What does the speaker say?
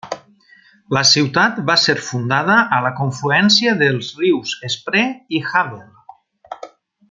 La ciutat va ser fundada a la confluència dels rius Spree i Havel.